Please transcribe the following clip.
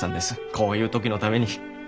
こういう時のために。